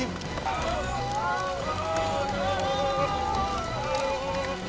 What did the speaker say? yak suami datang cepico